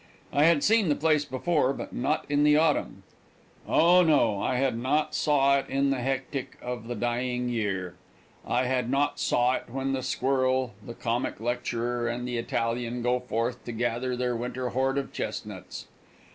I had seen the place before, but not in the autumn. Oh, no, I had not saw it in the hectic of the dying year! I had not saw it when the squirrel, the comic lecturer, and the Italian go forth to gather their winter hoard of chestnuts.